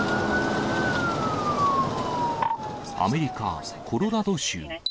アメリカ・コロラド州。